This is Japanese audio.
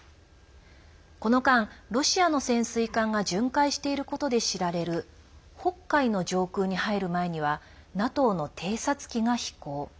この間、ロシアの潜水艦が巡回していることで知られる北海の上空に入る前にはＮＡＴＯの偵察機が飛行。